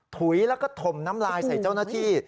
ถุยแล้วก็ถมน้ำลายใส่เจ้าหน้าที่